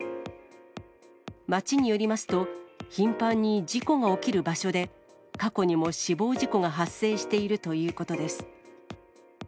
町によりますと、頻繁に事故が起きる場所で、過去にも死亡事故が発生しているということです。